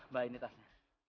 baik ini tasnya